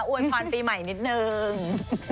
วยพรปีใหม่นิดนึง